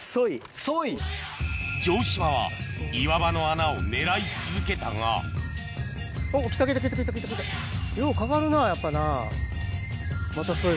城島は岩場の穴を狙い続けたがやっぱな。